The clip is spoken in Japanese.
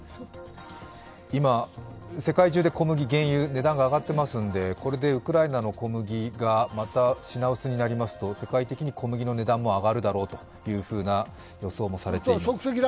今、世界中で小麦、原油、値段が上がっていますのでこれでウクライナの小麦がまた品薄になりますと世界的に小麦の値段も上がるだろうと予想もされています。